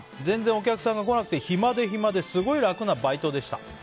全然お客さんが来なくて暇で暇ですごい楽なバイトでした。